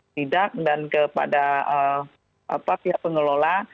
tidak dan kepada pihak pengelola